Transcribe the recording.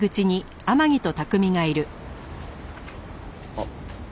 あっ。